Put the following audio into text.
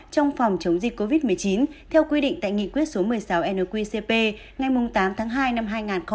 trong phòng chống dịch covid một mươi chín theo quy định tại nghị quyết số một mươi sáu nqcp ngày tám tháng hai năm hai nghìn hai mươi một của chính phủ